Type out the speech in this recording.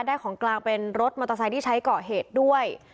ของกลางเป็นรถมอเตอร์ไซค์ที่ใช้ก่อเหตุด้วย